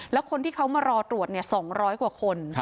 แล้วคนที่เขามารอตรวจเนี่ยสองร้อยกว่าคน